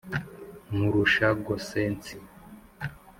nkurusha gossensi,